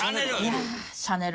シャネル！